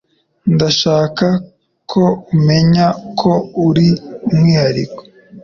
Ndashaka ko umenya ko uri umwihariko